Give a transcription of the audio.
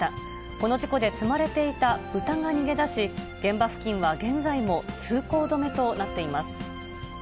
この事故で、積まれていた豚が逃げ出し、現場付近は現在も通行止めとなっています。